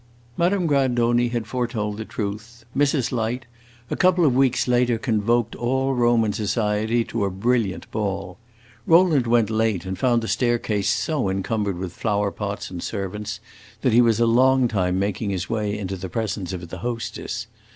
Madame Grandoni had foretold the truth; Mrs. Light, a couple of weeks later, convoked all Roman society to a brilliant ball. Rowland went late, and found the staircase so encumbered with flower pots and servants that he was a long time making his way into the presence of the hostess.